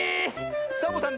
サボさん